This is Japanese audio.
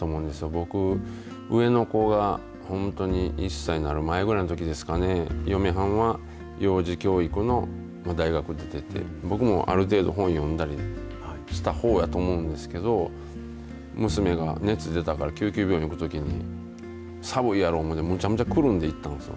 僕、上の子が、本当に、１歳になる前ぐらいのときですかね、嫁はんは幼児教育の大学出てて、僕もある程度、本読んだりしたほうやと思うんですけど、娘が熱出たから、救急病院に行くときに、寒いやろ思うて、むちゃむちゃくるんで行ったんですよ。